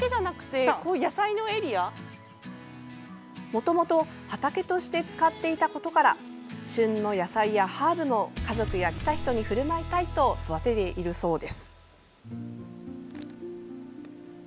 もともと畑として使っていたことから旬の野菜やハーブも家族や来た人にふるまいたいと育てているそうです。